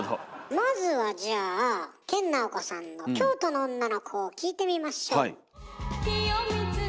まずはじゃあ研ナオコさんの「京都の女の子」を聴いてみましょう。